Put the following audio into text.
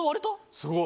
すごい！